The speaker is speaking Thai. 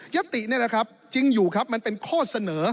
ตินี่แหละครับจริงอยู่ครับมันเป็นข้อเสนอ